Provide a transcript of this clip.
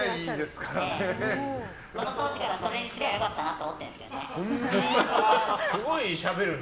当時からそれにすりゃ良かったなって思ってるんですけどね。